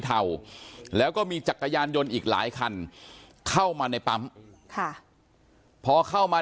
เทาแล้วก็มีจักรยานยนต์อีกหลายคันเข้ามาในปั๊มค่ะพอเข้ามา